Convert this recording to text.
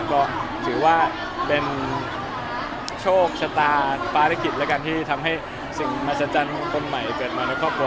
ก็ถือว่าเป็นโชคชะตาภารกิจแล้วกันที่ทำให้สิ่งมหัศจรรย์ของคนใหม่เกิดมาในครอบครัว